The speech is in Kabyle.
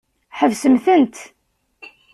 Ḥebsemt-tent!